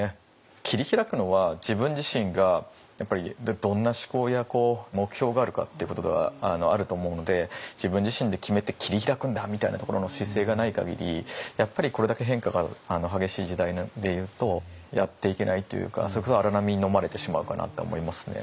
切り開くのは自分自身がやっぱりどんな志向や目標があるかっていうことがあると思うので自分自身で決めて切り開くんだみたいなところの姿勢がない限りこれだけ変化が激しい時代でいうとやっていけないというかそれこそ荒波にのまれてしまうかなとは思いますね。